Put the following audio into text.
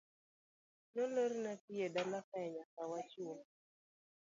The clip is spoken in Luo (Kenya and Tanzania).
Nolorna pi edalaka nyaka wachul.